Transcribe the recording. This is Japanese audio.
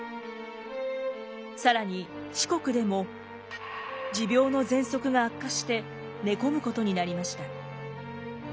更に四国でも持病の喘息が悪化して寝込むことになりました。